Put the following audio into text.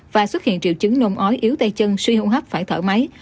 và xuất hiện triệu chứng nôn ói yếu tay chân suy hô hấp phải thở máy